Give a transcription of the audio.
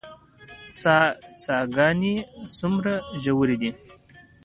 څاه ګانې څومره ژورې وي؟